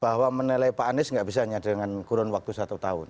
bahwa menilai pak anies gak bisa hanya dengan kurun waktu satu tahun